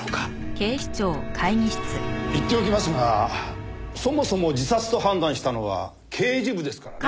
言っておきますがそもそも自殺と判断したのは刑事部ですからね。